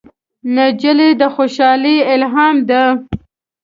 نجلۍ د خوشحالۍ الهام ده.